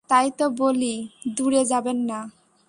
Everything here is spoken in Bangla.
তাই তো বলি, দূরে যাবেন না।